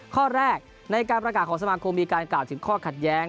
ข้อแรกในการประกาศของสมาคมมีการกล่าวถึงข้อขัดแย้ง